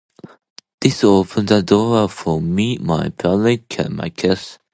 This opens the door for me to present my case.